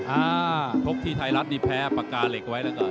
เทาะที่ไทยรัฐนี่แพ้ปรากาเหล็กไว้และก่อน